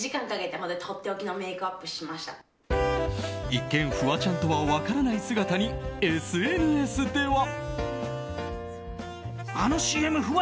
一見、フワちゃんとは分からない姿にＳＮＳでは。